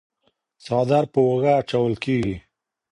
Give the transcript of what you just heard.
څادر په اوږه اچول کيږي.